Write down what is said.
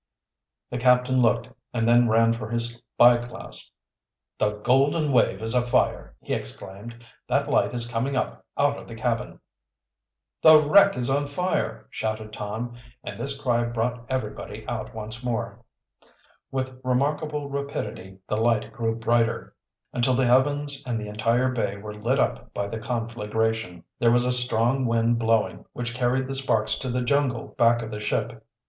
The captain looked, and then ran for his spy glass. "The Golden Wave is afire!" he exclaimed. "That light is coming up out of the cabin!" "The wreck is on fire!" shouted Tom, and this cry brought everybody out once more. With remarkable rapidity the light grew brighter, until the heavens and the entire bay were lit up by the conflagration. There was a strong wind blowing, which carried the sparks to the jungle back of the ship.